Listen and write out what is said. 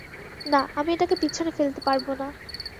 না, আমি এটাকে পিছনে ফেলতে পারব না।